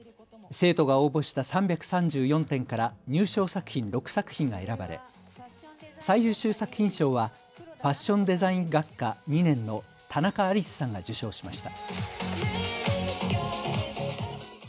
生徒が応募した３３４点から入賞作品６作品が選ばれ最優秀作品賞はファッションデザイン学科２年の田中アリスさんが受賞しました。